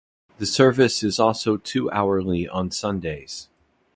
The service is also two-hourly on Sundays.